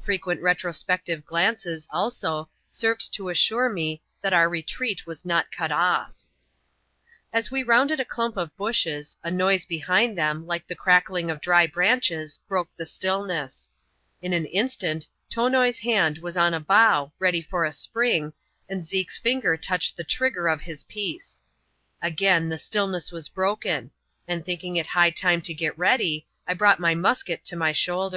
Fre quent retrospective glanees, ^o^ served to assure me that our retreat was not cut off. CBAP. LT.] A HUNTIKG RAMBLE WITH ZEKE. 218 As we roanded a clump of bashes, a noise behind them, like the crackling c^ dry branches, broke the stillness. In an in stant, Tonoi's hand was on a bough, ready for a spring, and Zeke's finger touched the trigger of his piece. Again ^e still > ness was broken ; and thinking it high time to get ready, I brought my mnsket to my should.